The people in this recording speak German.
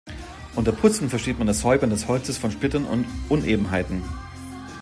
Unter "putzen" versteht man das Säubern des Holzes von Splittern und Unebenheiten.